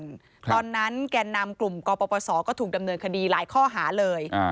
ตอนนั้นแก่นำกลุ่มกปศก็ถูกดำเนินคดีหลายข้อหาเลย